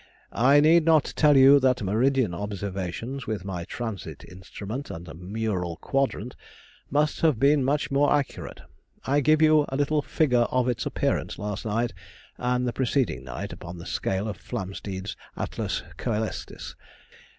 I need not tell you that meridian observations with my transit instrument and mural quadrant must have been much more accurate. I give you a little figure of its appearance last night and the preceding night upon the scale of Flamsteed's Atlas Cœlestis [here follows the sketch figure].